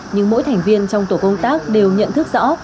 nhưng mỗi thành viên trong tổ công tác đều nhận thức rõ